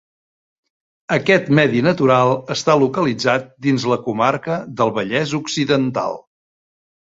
Aquest medi natural està localitzat dins la comarca del Vallès Occidental.